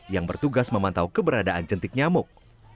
yang bertugas memantau keberadaan jentik nyamuk